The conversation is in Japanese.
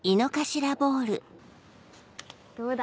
どうだ。